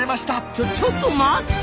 ちょちょっと待った！